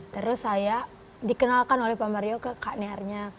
terus saya dikenalkan oleh pak mario ke kak niarnya